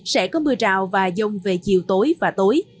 sẽ có mưa rào và dông về chiều tối và tối